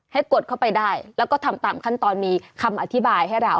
กดเข้าไปได้แล้วก็ทำตามขั้นตอนมีคำอธิบายให้เรา